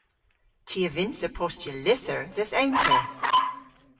Ty a vynnsa postya lyther dhe'th ewnter.